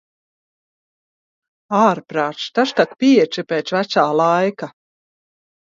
Ārprāc, tas tak pieci pēc "vecā" laika.